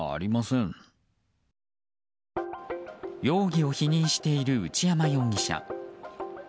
容疑を否認している内山容疑者。